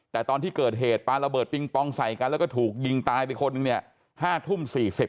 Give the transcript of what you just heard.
แต่ตอนที่เกิดเหตุปลาระเบิดปิงปองใส่กันแล้วก็ถูกยิงตายไปคนหนึ่งเนี่ย๕ทุ่ม๔๐